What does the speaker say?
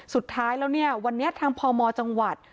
สุดท้ายแล้วเนี่ยวันนี้ทางพมจังหวัด